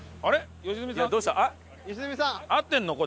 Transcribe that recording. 良純さん。